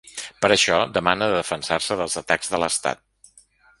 Per això, demana de defensar-se dels atacs de l’estat.